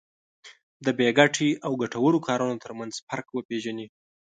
د بې ګټې او ګټورو کارونو ترمنځ فرق وپېژني.